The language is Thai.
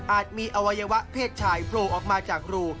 มีอวัยวะเพศชายโผล่ออกมาจากรู